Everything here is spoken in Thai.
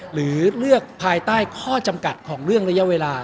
หรือเลือกภายใต้ข้อจำกัดของเรื่องระยะเวลา